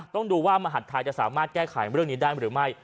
ต้องดูว่ามหัฐไทยจะสามารถแก้ไขเรื่องนี้ได้หรือไม่